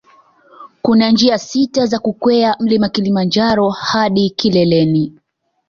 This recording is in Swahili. Kuna njia sita za kukwea mlima Kilimanjaro hadi kileleni